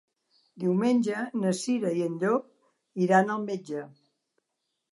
Diumenge na Cira i en Llop iran al metge.